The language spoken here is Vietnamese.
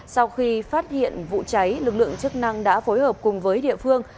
sau khi phát hiện vụ cháy lực lượng chức năng đã phối hợp cùng với địa phương